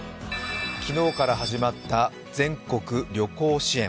昨日から始まった全国旅行支援。